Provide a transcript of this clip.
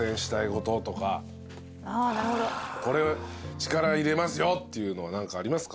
これ力入れますよっていうの何かありますか？